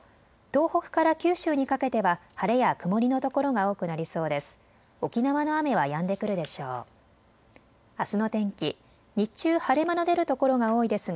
東北から九州にかけては晴れや曇りの所が多くなりそうです。